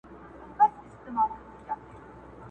شهيد زما دی، د وېرژلو شيون زما دی!.